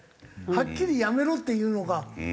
はっきり「辞めろ」っていうのか。